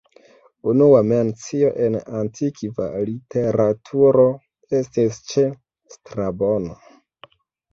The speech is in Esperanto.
Unua mencio en antikva literaturo estis ĉe Strabono.